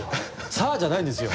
「さあ」じゃないんですよ。